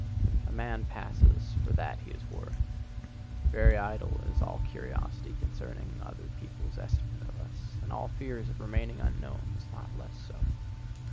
A man passes for that he is worth. Very idle is all curiosity concerning other people's estimate of us, and all fear of remaining unknown is not less so.